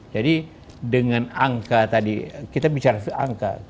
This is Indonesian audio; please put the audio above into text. jadi dengan angka tadi kita bicara angka